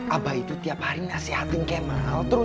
abah itu tiap hari nasihatin kemal